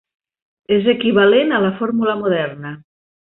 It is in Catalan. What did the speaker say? És equivalent a la fórmula moderna.